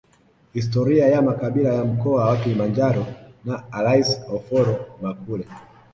Historia ya makabila ya mkoa wa Kilimanjaro na Alice Oforo Makule